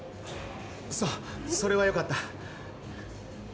そそれはよかった。